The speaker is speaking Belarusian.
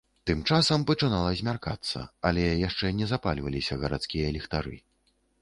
Тым часам пачынала змяркацца, але яшчэ не запальваліся гарадскія ліхтары.